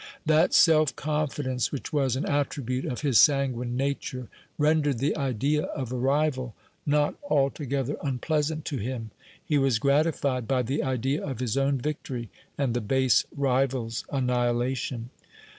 That self confidence which was an attribute of his sanguine nature rendered the idea of a rival not altogether unpleasant to him. He was gratified by the idea of his own victory, and the base rival's annihilation.